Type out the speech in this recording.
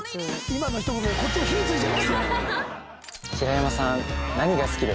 今のひと言でこっちも火ついちゃいまして。